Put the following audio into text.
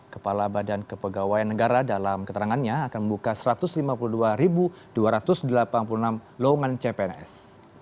kepala badan kepegawaian negara dalam keterangannya akan membuka satu ratus lima puluh dua dua ratus delapan puluh enam lowongan cpns